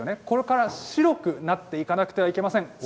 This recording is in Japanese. これから白くなっていかなくてはいけません。